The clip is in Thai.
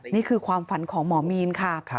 นี่คือความฝันของหมอมีนค่ะ